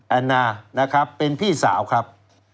แอนนานะครับเป็นพี่สาวครับ